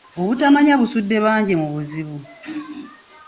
Obutamanya busudde bangi mu buzibu.